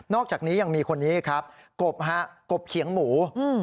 อกจากนี้ยังมีคนนี้ครับกบฮะกบเขียงหมู